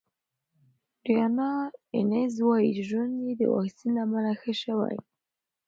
ډیانا اینز وايي ژوند یې د واکسین له امله ښه شوی.